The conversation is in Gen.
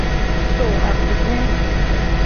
So apuje.